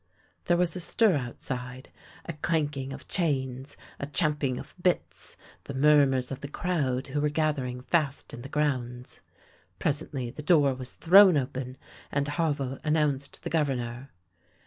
There was a stir outside, a clanking of chains, a champing of bits, the murmurs of the crowd who were gathering fast in the grounds. Presently the door was thrown open, and Havel announced the Governor.